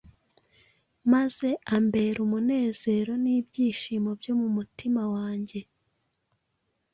maze ambera umunezero n’ibyishimo byo mu mutima wanjye